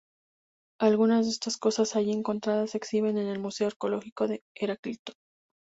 Algunas de las cosas allí encontradas se exhiben en el Museo Arqueológico de Heraclión.